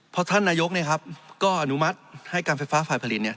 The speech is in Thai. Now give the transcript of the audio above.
เพราะท่านนายกเนี่ยครับก็อนุมัติให้การไฟฟ้าฝ่ายผลิตเนี่ย